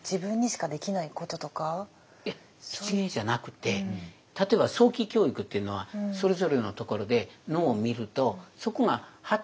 いや一芸じゃなくて例えば早期教育というのはそれぞれのところで脳を見るとそこが発達していることは間違いないの。